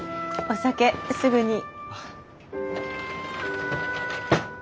お酒すぐに。